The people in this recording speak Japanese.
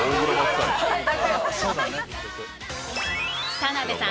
田辺さん